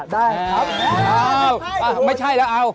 ได้ครับให้ถูกลงให้โอ้โฮไม่ใช่แล้ว